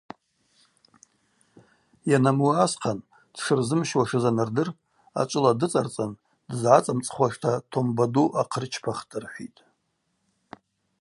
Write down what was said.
Йанамуы асхъан, дшырзымщуашыз анырдыр, ачӏвыла дыцӏарцӏан дызгӏацӏымцӏхуашта томба ду ахъырчпахтӏ рхӏвитӏ.